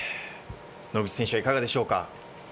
野口選手はいかがでしょうか？